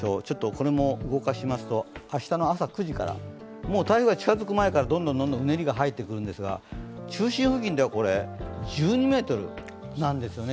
これも動かしますと、明日の朝９時から、台風が近づく前から、どんどんうねりが入ってくるんですが中心付近では１２ｍなんですよね。